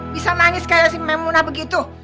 bisa nangis kayak si memuna begitu